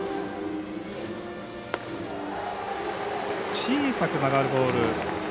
小さく曲がるボール。